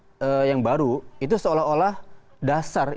itu seolah olah dasar yang baru yang baru itu seolah olah dasar yang baru